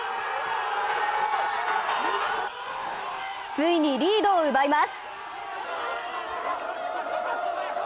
ついにリードを奪います。